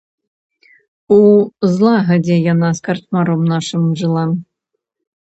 У злагадзе яна з карчмаром нашым жыла.